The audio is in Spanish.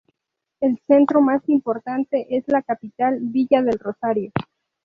El centro más importante es la capital, Villa del Rosario.